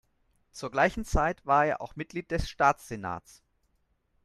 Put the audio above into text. Zur gleichen Zeit war er auch Mitglied des Staatssenats.